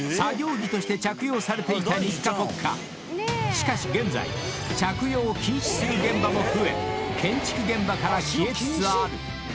［しかし現在着用を禁止する現場も増え建築現場から消えつつある］